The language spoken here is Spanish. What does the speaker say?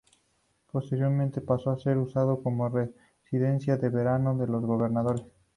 Posteriormente pasó a ser usado como residencia de verano de los gobernadores.